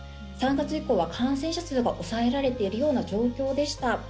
３月以降は感染者数が抑えられているような状況でした。